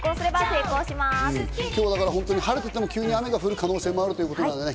今日は晴れてても急に雨が降る可能性もあるってことだね。